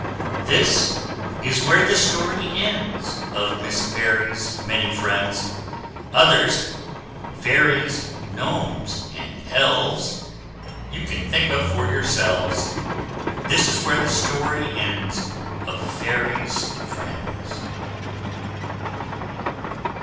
This is where the story ends Of Miss Fairy's many friends: Others fairies, gnomes, and elves You can think of for yourselves! This is where the story ends OF FAIRY'S FRIENDS.